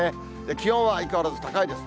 気温は相変わらず高いです。